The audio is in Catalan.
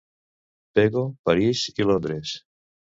Pego, París i Londres.